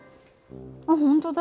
あっ本当だ。